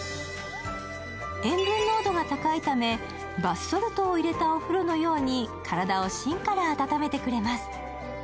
塩分濃度が高いため、バスソルトを入れたお風呂のように体を芯から温めてくれます。